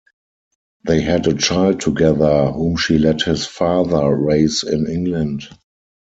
They had a child together whom she let his father raise in England.